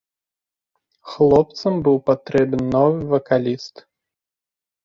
Хлопцам быў патрэбен новы вакаліст.